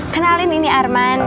kenalin ini arman